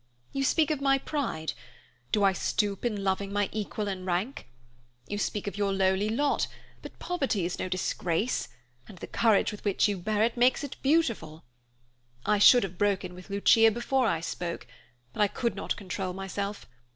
You speak of my pride. Do I stoop in loving my equal in rank? You speak of your lowly lot, but poverty is no disgrace, and the courage with which you bear it makes it beautiful. I should have broken with Lucia before I spoke, but I could not control myself.